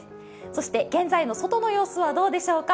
そして現在の外の様子はどうでしょうか。